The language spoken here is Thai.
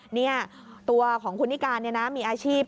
นี่ตัวของคุณนิกานมีอาชีพ